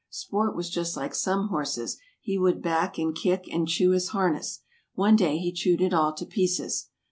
Sport was just like some horses; he would back and kick and chew his harness. One day he chewed it all to pieces.